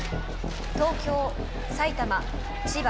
東京埼玉千葉